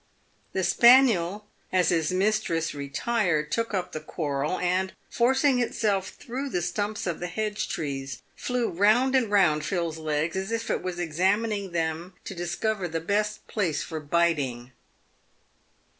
The spaniel, as his mistress retired, took up the quarrel, and, forcing itself through the stumps of the hedge trees, flew round and round Phil's legs, as if it was examining them to discover the best place for biting.